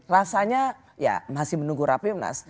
rasanya ya masih menunggu rapimnas